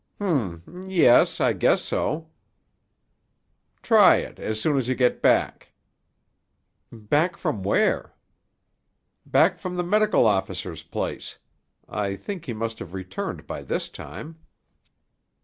"H'm! Yes, I guess so." "Try it, as soon as you get back." "Back from where?" "Back from the medical officer's place. I think he must have returned by this time."